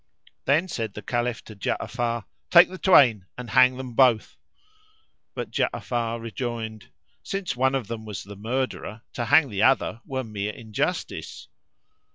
Then said the Caliph to Ja'afar, "Take the twain and hang them both;" but Ja'afar rejoined, "Since one of them was the murderer, to hang the other were mere injustice."